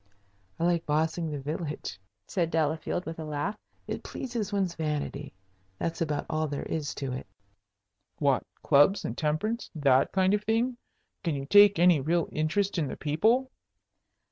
"I like 'bossing' the village," said Delafield, with a laugh. "It pleases one's vanity. That's about all there is to it." "What, clubs and temperance, that kind of thing? Can you take any real interest in the people?"